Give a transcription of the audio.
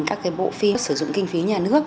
các bộ phim sử dụng kinh phí nhà nước